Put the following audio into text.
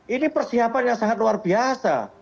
ini persiapan yang sangat luar biasa